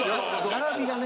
並びがね。